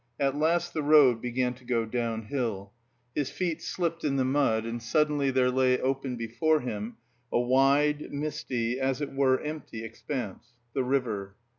At last the road began to go downhill; his feet slipped in the mud and suddenly there lay open before him a wide, misty, as it were empty expanse the river.